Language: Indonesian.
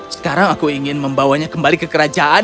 sekarang aku ingin membawanya kembali ke kerajaan